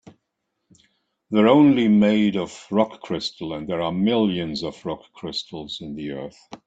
They're only made of rock crystal, and there are millions of rock crystals in the earth.